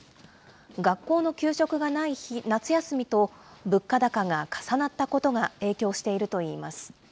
学校の給食がない夏休みと物価高が重なったことが影響しているといいます。